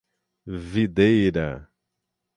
Videira